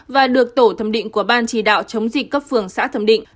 và được tổ thẩm định của ban chỉ đạo chống dịch cấp phường xã thẩm định